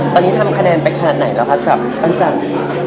ตอนนี้ทำคะแนนไปขนาดไหนแล้วคะสำหรับปั้นจันทร์